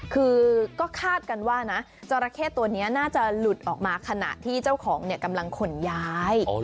คือก็คาดกันว่านะจราเข้ตัวนี้น่าจะหลุดออกมาขณะที่เจ้าของกำลังขนย้าย